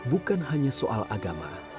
bukan hanya soal agama